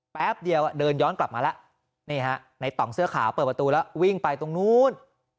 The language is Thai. แป๊บเดียวเดินย้อนกลับมาแล้วนี่ฮะในต่องเสื้อขาวเปิดประตูแล้ววิ่งไปตรงนู้น